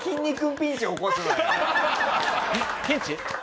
ピピンチ？